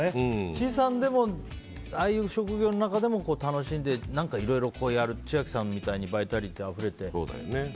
Ｃさんでもああいう職業の中でも楽しんでいろいろやる、千秋さんみたいにバイタリティーあふれて。